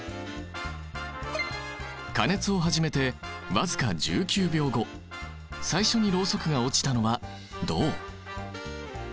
加熱を始めて僅か１９秒後最初にロウソクが落ちたのは銅。